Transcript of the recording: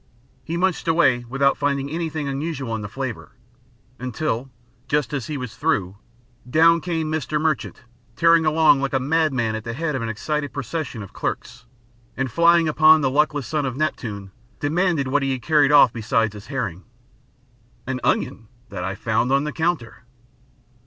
He munched away without finding anything unusual in the flavor, until just as he was through, down came Mr. Merchant, tearing along like a madman at the head of an excited procession of clerks, and flying upon the luckless son of Neptune, demanded what he had carried off besides his herring? "An onion that I found on the counter."